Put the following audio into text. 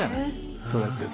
そうやってさ。